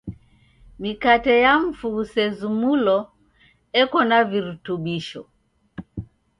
Mikate ya mufu ghusezumulo eko na virutubisho.